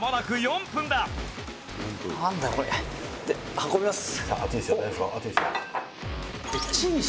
「運びます！」